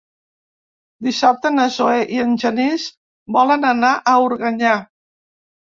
Dissabte na Zoè i en Genís volen anar a Organyà.